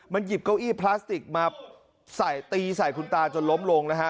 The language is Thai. มันหยิบเก้าอี้พลาสติกมาใส่ตีใส่คุณตาจนล้มลงนะฮะ